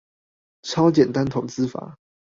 超簡單投資法